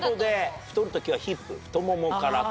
太る時はヒップ太ももから。